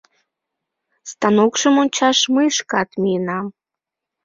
Станокшым ончаш мый шкат миенам.